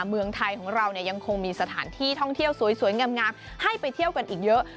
เมืองไทยของเราเนี่ยยังคงมีสถานที่ท่องเที่ยวสวยงามให้ไปเที่ยวกันอีกเยอะ